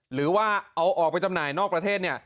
หรือว่าเอาออกไปจำหน่ายนอกประเทศเนี่ย